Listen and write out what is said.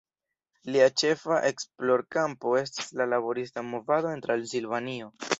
Lia ĉefa esplorkampo estis la laborista movado en Transilvanio.